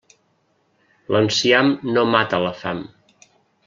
L'enciam no mata la fam.